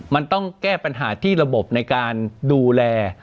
มันต้องแก้ปัญหาที่ระบบในการดูแล